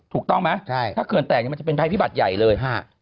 ถูกต้องไหมถ้าเขื่อนแตกมันจะเป็นภัยพิบัติใหญ่เลย